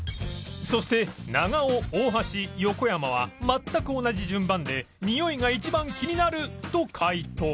そして長尾大橋横山は全く同じ順番で匂いが一番気になると解答